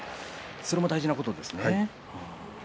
それも大事なんですね。